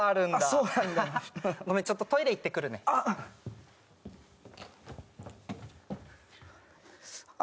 ごめんちょっとトイレ行ってくるねああ